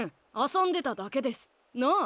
遊んでただけです。なあ？